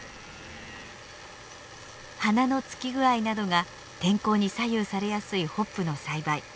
花のつき具合などが天候に左右されやすいホップの栽培。